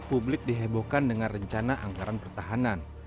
publik dihebohkan dengan rencana anggaran pertahanan